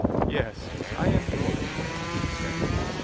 "Yes, I am yours," she said.